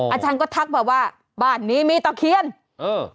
อาจารย์ก็ทักมาว่าบ้านนี้มีตะเคียนเออ